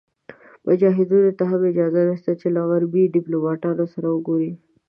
مجاهدینو ته هم اجازه نشته چې له غربي دیپلوماتانو سره وګوري.